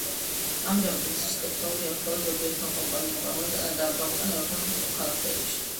ამჟამად, მზის ტექნოლოგია მხოლოდ ზოგიერთმა კომპანიამ გამოიყენა და არ გამოყენება ფართოდ მოქალაქეებში.